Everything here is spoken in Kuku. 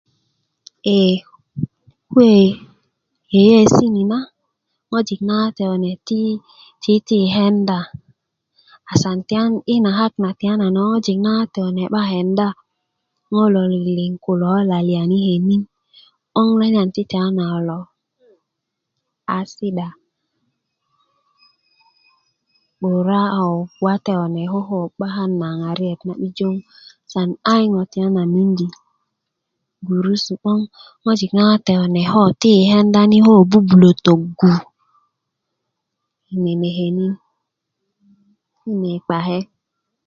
ee kuwe' yeyeesi' ni na ŋoji na wate kune ti titii yi kenda asan tiyan yi na kak ni na ko ŋojik ma wate kune 'ba kenda ŋo' kulo liŋ kulo ko laliyan yi könin 'boŋ laliyan ti tiyana kulo a si'da 'bura ko wate kune koko 'bakan na ŋariyet na'bijo asan iyi ŋo' tiyana mindi gurusu 'boŋ ŋojik nawate kune ko tiki' yi kenda ni koko bubulö töggu yi nene' könin yi nenr' kpake